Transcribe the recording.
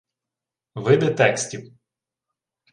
Види текстів